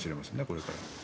これから。